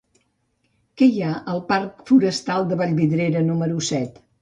Què hi ha a la parc Forestal de Vallvidrera número set?